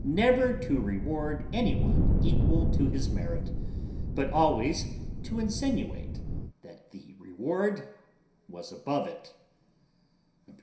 Never to reward any one equal to his merit; but always to insinuate that the reward was above it.